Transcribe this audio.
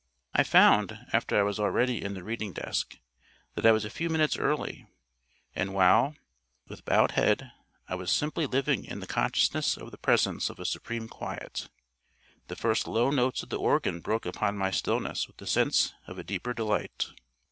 I found, after I was already in the reading desk, that I was a few minutes early; and while, with bowed head, I was simply living in the consciousness of the presence of a supreme quiet, the first low notes of the organ broke upon my stillness with the sense of a deeper delight.